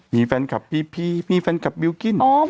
มีแฟนคลับพีพีมีแฟนคลับบิลกิ้น